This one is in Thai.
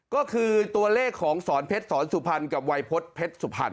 ก็คือตัวเลขของสอนเพชรสอนสุพรรณกับวัยพฤษเพชรสุพรรณ